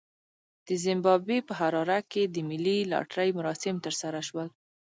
د زیمبابوې په حراره کې د ملي لاټرۍ مراسم ترسره شول.